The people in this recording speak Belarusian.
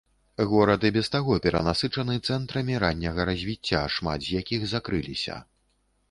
Горад і без таго перанасычаны цэнтрамі ранняга развіцця, шмат з якіх закрыліся.